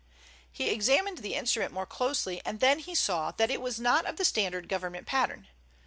He examined the instrument more closely, and then he saw that it was not of the standard government pattern.